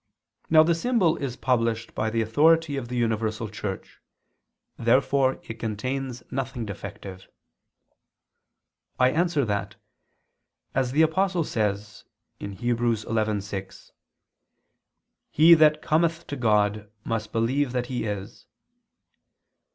Now the symbol is published by the authority of the universal Church. Therefore it contains nothing defective. I answer that, As the Apostle says (Heb. 11:6), "he that cometh to God, must believe that He is."